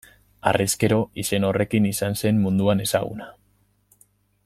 Harrezkero, izen horrekin izan zen munduan ezaguna.